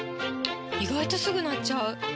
意外とすぐ鳴っちゃう！